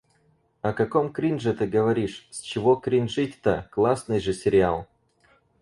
О каком кринже ты говоришь? С чего кринжить-то, классный же сериал!